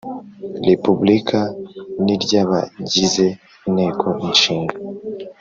Repubulika n iry Abagize Inteko Ishinga